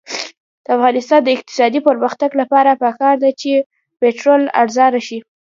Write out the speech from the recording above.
د افغانستان د اقتصادي پرمختګ لپاره پکار ده چې پټرول ارزانه شي.